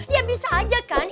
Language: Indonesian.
ya bisa aja kan